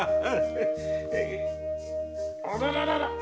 あららら？